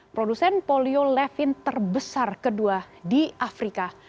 produsen polio levin terbesar kedua di afrika